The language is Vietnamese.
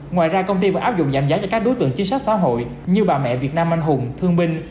ngoài ra công ty vẫn áp dụng giảm giá cho các đối tượng chiến sát xã hội như bà mẹ việt nam anh hùng thương minh